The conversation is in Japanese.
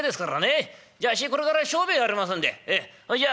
じゃあっしこれから商売がありますんでほいじゃ」。